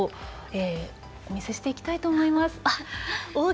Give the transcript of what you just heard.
お見せしていきたいと思います。